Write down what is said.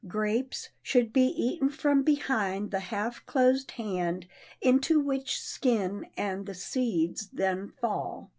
Grapes should be eaten from behind the half closed hand into which skin and the seeds then fall.